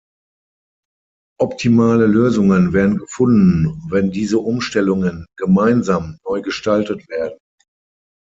Optimale Lösungen werden gefunden, wenn diese Umstellungen "gemeinsam" neu gestaltet werden.